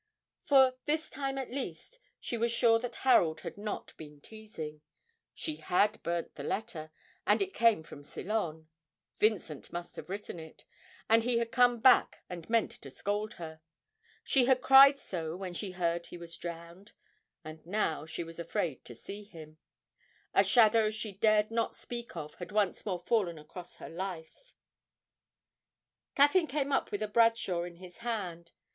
For, this time at least, she was sure that Harold had not been teasing; she had burnt the letter, and it came from Ceylon; Vincent must have written it, and he had come back and meant to scold her she had cried so when she heard he was drowned, and now she was afraid to see him a shadow she dared not speak of had once more fallen across her life! Caffyn came up with a Bradshaw in his hand.